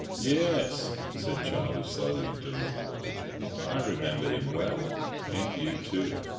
"Yes," said Charlie, slowly and deliberately, "I remember him well; and you too.